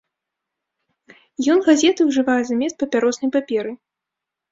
Ён газеты ўжывае замест папяроснай паперы.